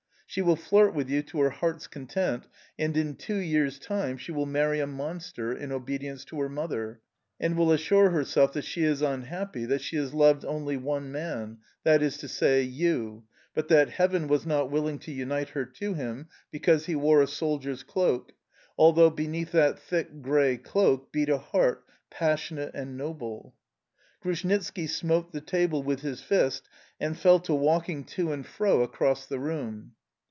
She will flirt with you to her heart's content, and, in two years' time, she will marry a monster, in obedience to her mother, and will assure herself that she is unhappy, that she has loved only one man that is to say, you but that Heaven was not willing to unite her to him because he wore a soldier's cloak, although beneath that thick, grey cloak beat a heart, passionate and noble"... Grushnitski smote the table with his fist and fell to walking to and fro across the room.